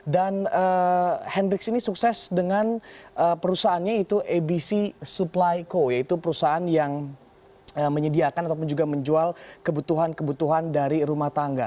dan hendricks ini sukses dengan perusahaannya itu abc supply co yaitu perusahaan yang menyediakan ataupun juga menjual kebutuhan kebutuhan dari rumah tangga